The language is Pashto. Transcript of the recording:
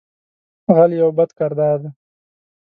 غل یو بد کردار دی